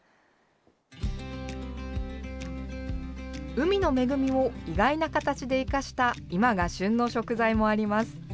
海の恵みを意外な形で生かした今が旬の食材もあります。